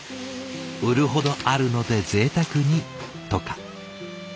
売るほどあるのでぜいたくにとか。